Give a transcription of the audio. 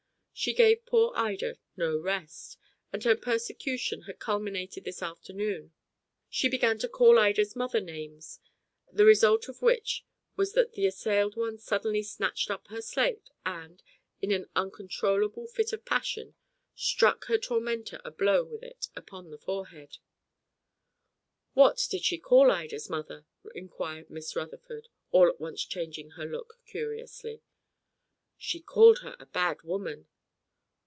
She gave poor Ida no rest, and her persecution had culminated this afternoon; she began to "call Ida's mother names," the result of which was that the assailed one suddenly snatched up her slate, and, in an uncontrollable fit of passion, struck her tormentor a blow with it upon the forehead. "What did she call Ida's mother?" inquired Miss Rutherford, all at once changing her look curiously. "She called her a bad woman."